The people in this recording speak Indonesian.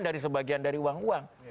dari sebagian dari uang uang